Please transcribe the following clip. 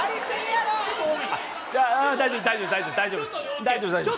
大丈夫、大丈夫です。